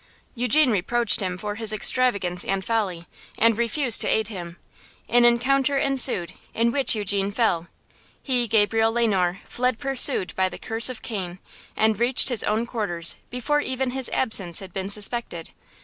Eugene reproached him for his extravagance and folly, and refused to aid him; an encounter ensued, in which Eugene fell. He, Gabriel Le Noir, fled pursued by the curse of Cain, and reached his own quarters before even his absence had been suspected.